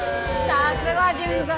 さすが純三。